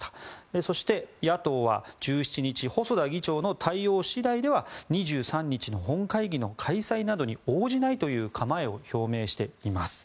そして、野党は１７日、細田議長の対応次第では２３日の本会議の開催などに応じないという構えを表明しています。